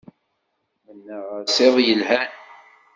Mennaɣ-as iḍ yelhan.